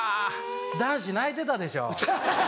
男子泣いてたでしょ。